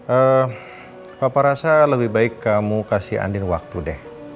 eh papa rasa lebih baik kamu kasih andin waktu deh